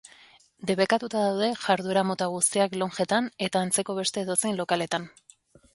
Debekatuta daude jarduera-mota guztiak lonjetan eta antzeko beste edozein lokaletan.